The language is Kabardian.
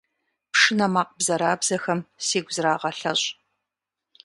Пшынэ макъ бзэрабзэхэм сигу зырагъэлъэщӏ.